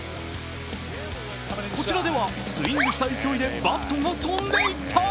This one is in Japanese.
こちらではスイングした勢いでバットが飛んでいった。